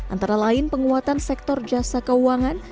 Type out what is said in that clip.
antara lain penguatan sektor jasa keuangan